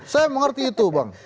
saya mengerti itu bang